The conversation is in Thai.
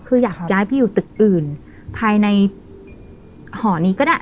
คืออยากย้ายไปอยู่ตึกอื่นภายในหอนี้ก็ได้